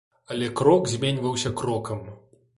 Але крок зменьваўся крокам.